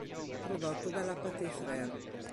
Prodotto dalla Pathé Frères.